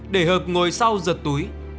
để hợp ngồi sau giật túi